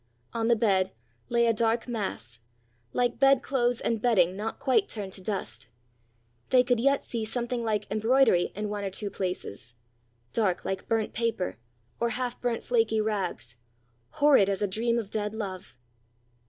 On the bed lay a dark mass, like bed clothes and bedding not quite turned to dust they could yet see something like embroidery in one or two places dark like burnt paper or half burnt flaky rags, horrid as a dream of dead love!